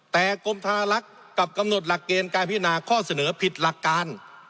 แต่กรมธนลักษณ์กลับกำหนดหลักเกณฑ์การพิจารณาข้อเสนอผิดหลักการ